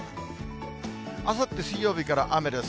あさって水曜日から雨です。